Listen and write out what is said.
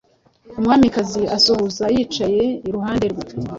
Umwamikazi asuhuza yicaye iruhande rwe